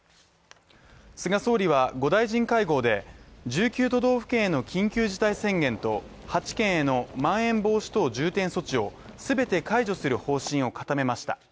菅総理は５大臣会合で、１９都道府県への緊急事態宣言と８県へのまん延防止等重点措置を全て解除する方針を固めました。